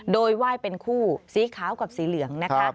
โดยไหว้เป็นคู่สีขาวกับสีเหลืองนะคะ